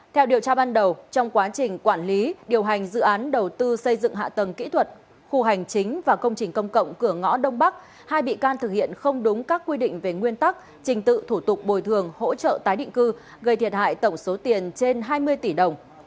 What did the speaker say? theo điều tra ban đầu trong quá trình quản lý điều hành dự án đầu tư xây dựng hạ tầng kỹ thuật khu hành chính và công trình công cộng cửa ngõ đông bắc hai bị can thực hiện không đúng các quy định về nguyên tắc trình tự thủ tục bồi thường hỗ trợ tái định cư gây thiệt hại tổng số tiền trên hai mươi tỷ đồng